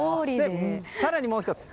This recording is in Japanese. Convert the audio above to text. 更に、もう１つ。